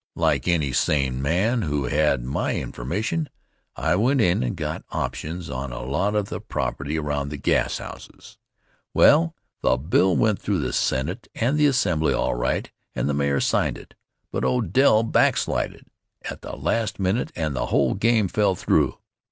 Like any sane man who had my information, I went in and got options on a lot of the property around the gashouses. Well, the bill went through the Senate and the Assembly all right and the mayor signed it, but Odell backslided at the last minute and the whole game fell through.